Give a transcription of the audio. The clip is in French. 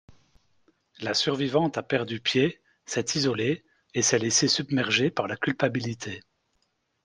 La survivante a perdu pied, s'est isolée et s'est laissé submerger par la culpabilité.